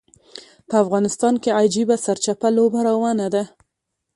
په افغانستان کې عجیبه سرچپه لوبه روانه ده.